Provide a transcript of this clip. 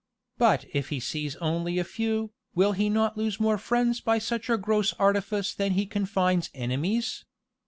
But if he seize only a few, will he not lose more friends by such a gross artifice than he confines enemies?